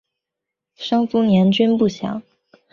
生卒年均不详。